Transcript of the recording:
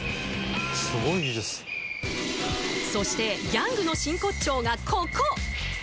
そしてギャングの真骨頂がここ！